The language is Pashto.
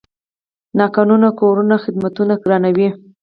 ناقانونه کورونه خدمتونه ګرانوي.